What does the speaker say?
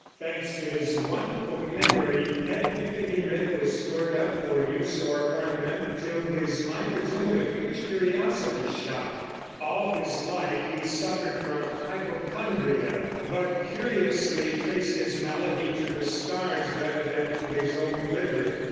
Thanks to his wonderful memory, everything he read was stored up for use or ornament, till his mind resembled a huge curiosity shop. All his life he suffered from hypochondria, but curiously traced his malady to the stars rather than to his own liver.